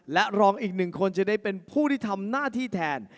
และรองอีกหนึ่งคนจะได้เป็นผู้ที่ทำหน้าที่แทน